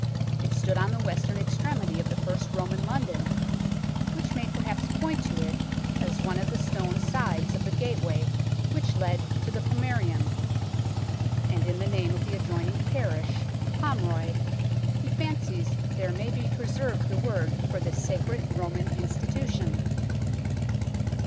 It stood on the western extremity of the first Roman London, which may perhaps point to it as one of the stone sides of the gateway which led to the Pomaerium "; and in the name of the adjoining parish Pomroy he fancies there may be pre served the word for this sacred Roman institution.